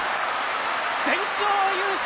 全勝優勝。